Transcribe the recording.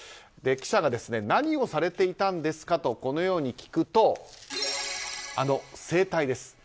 記者が何をされていたんですかとこのように聞くとあの、整体です。